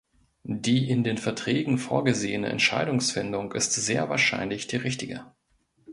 Die in den Verträgen vorgesehene Entscheidungsfindung ist sehr wahrscheinlich die richtige.